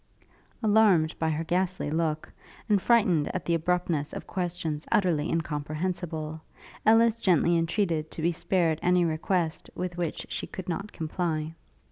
Alarmed by her ghastly look, and frightened at the abruptness of questions utterly incomprehensible, Ellis gently entreated to be spared any request with which she could not comply.